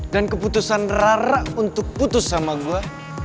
dan keputusan rara untuk putus sama gue